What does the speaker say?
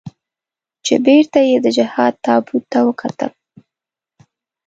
چې بېرته یې د جهاد تابوت ته وکتل.